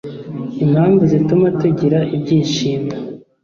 Impamvu zituma tugira ibyishimo